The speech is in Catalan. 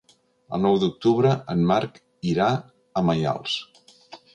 El nou d'octubre en Marc irà a Maials.